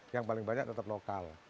yang paling banyak tetap lokal